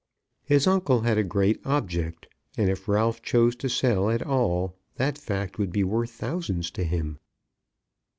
His uncle had a great object, and if Ralph chose to sell at all, that fact would be worth thousands to him.